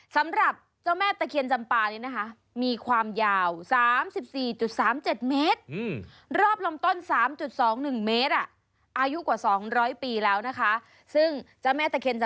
สำหรับเจ้าแม่ตะเคียนจำปานี้นะคะมีความยาว๓๔๓๗เมตร